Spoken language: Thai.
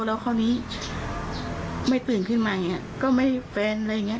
แล้วคราวนี้ไม่ตื่นขึ้นมาอย่างนี้ก็ไม่แฟนอะไรอย่างนี้